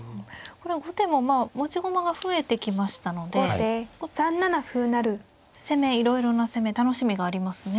これは後手もまあ持ち駒が増えてきましたのでいろいろな攻め楽しみがありますね。